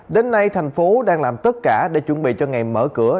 đến nay thành phố đang làm tất cả để chuẩn bị cho ngày mở cửa